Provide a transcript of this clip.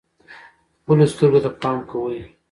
خپلو سترګو ته پام کوئ.